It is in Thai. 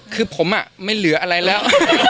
คือผมไม่เหลืออะไรแล้ว